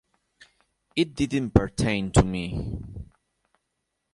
It didn't pertain to me ...